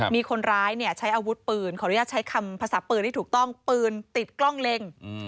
มีคนร้ายใช้อาวุธปืนขออนุญาตใช้คำภาษาปืนที่ถูกต้องปืนติดกล้องเล็ง